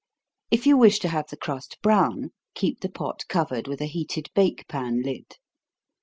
If you wish to have the crust brown, keep the pot covered with a heated bake pan lid.